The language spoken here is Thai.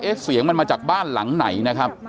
เสียงมันมาจากบ้านหลังไหนนะครับ